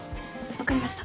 分かりました。